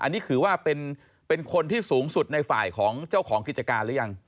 อันนี้ถือว่าเป็นคนที่สูงสุดในฝ่ายของเจ้าของกิจการหรือยัง